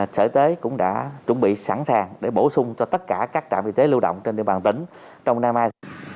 sở y tế cũng đã chuẩn bị sẵn sàng để bổ sung cho tất cả các trạm y tế lưu động trên địa bàn tỉnh trong năm nay